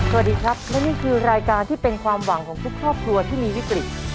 สวัสดีครับและนี่คือรายการที่เป็นความหวังของทุกครอบครัวที่มีวิกฤต